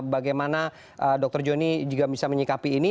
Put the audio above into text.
bagaimana dr joni juga bisa menyikapi ini